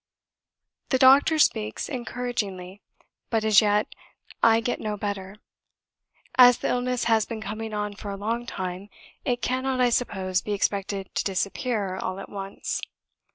The doctor speaks encouragingly, but as yet I get no better. As the illness has been coming on for a long time, it cannot, I suppose, be expected to disappear all at once.